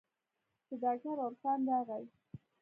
چې ډاکتر عرفان راغى.